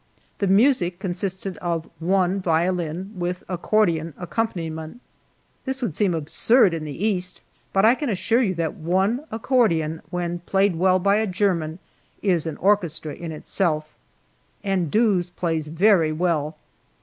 The music consisted of one violin with accordion accompaniment. This would seem absurd in the East, but I can assure you that one accordion, when played well by a German, is an orchestra in itself. And Doos plays very well.